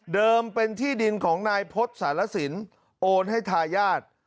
เดิมเป็นที่ดินของนายพลสหรษินโอนให้ทายาท